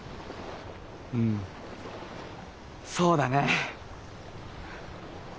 うんそうだね。